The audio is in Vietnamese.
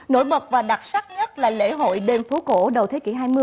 nổi bật và đặc sắc nhất là lễ hội đêm phố cổ đầu thế kỷ hai mươi